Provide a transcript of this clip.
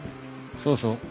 そうそう。